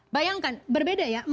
bayangkan berbeda ya